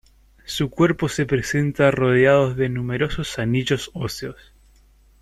Su cuerpo se presenta rodeado de numerosos anillos óseos.